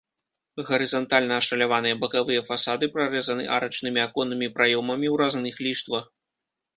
Гарызантальна ашаляваныя бакавыя фасады прарэзаны арачнымі аконнымі праёмамі ў разных ліштвах.